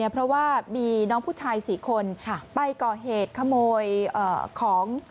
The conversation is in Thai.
เพราะว่ามีน้องผู้ชาย๔คนไปก่อเหตุขโมยของ